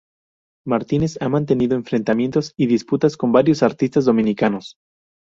Martínez ha mantenido enfrentamientos y disputas con varios artistas dominicanos.